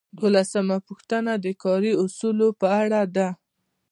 دولسمه پوښتنه د کاري اصولو په اړه ده.